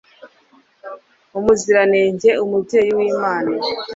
umuziranenge umubyeyi w'imana